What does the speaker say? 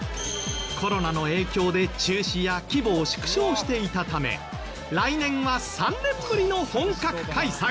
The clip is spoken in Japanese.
コロナの影響で中止や規模を縮小していたため来年は３年ぶりの本格開催。